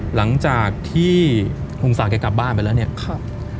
หลังจากที่ลุงศักดิ์กลับบ้านไปแล้วเนี่ยครับ